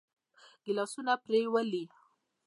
ګيلاسونه پرېولي.